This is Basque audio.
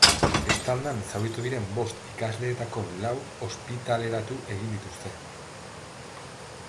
Eztandan zauritu diren bost ikasleetako lau ospitaleratu egin dituzte.